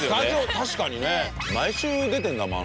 確かにね。毎週出てるんだもん